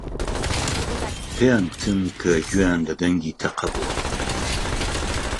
پێیان گوتم کە گوێیان لە دەنگی تەقە بووە.